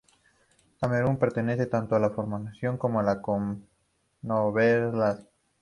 Camerún pertenece tanto a la Francofonía como a la "Commonwealth".